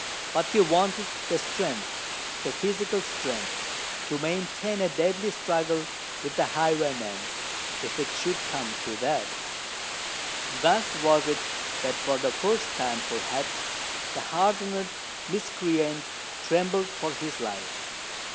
But he wanted the strength—the physical strength to maintain a deadly struggle with the highwayman, if it should come to that! Thus was it that for the first time, perhaps, the hardened miscreant trembled for his life.